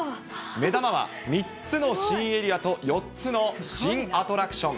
目玉は３つの新エリアと４つの新アトラクション。